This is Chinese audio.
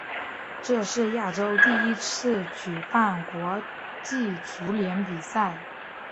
这是亚洲第一次举办国际足联比赛。